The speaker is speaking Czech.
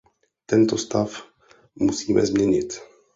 Tento stav musíme změnit.